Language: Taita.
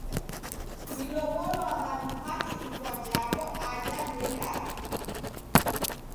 W'ilow'olwagha w'ipate ifwa jaw'o aja w'iendagha.